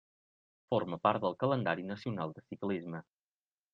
Forma part del calendari nacional de ciclisme.